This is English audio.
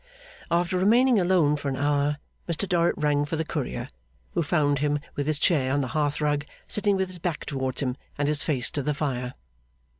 After remaining alone for an hour, Mr Dorrit rang for the Courier, who found him with his chair on the hearth rug, sitting with his back towards him and his face to the fire.